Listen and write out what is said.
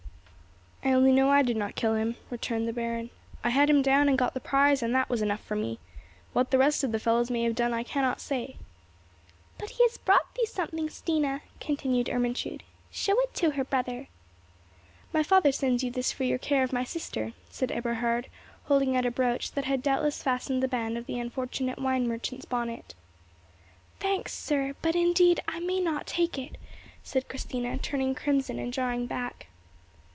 "I only know I did not kill him," returned the baron; "I had him down and got the prize, and that was enough for me. What the rest of the fellows may have done, I cannot say." "But he has brought thee something, Stina," continued Ermentrude. "Show it to her, brother." "My father sends you this for your care of my sister," said Eberhard, holding out a brooch that had doubtless fastened the band of the unfortunate wine merchant's bonnet. "Thanks, sir; but, indeed, I may not take it," said Christina, turning crimson, and drawing back.